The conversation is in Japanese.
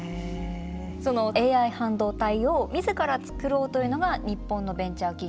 そのＡＩ半導体を自らつくろうというのが日本のベンチャー企業